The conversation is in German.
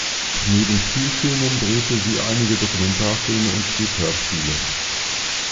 Neben Spielfilmen drehte sie einige Dokumentarfilme und schrieb Hörspiele.